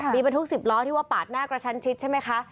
มีบรรทุก๑๐ล้อที่ว่าปาดหน้ากระชั้นชิดใช่ไหมคะ